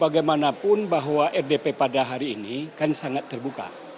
bagaimanapun bahwa rdp pada hari ini kan sangat terbuka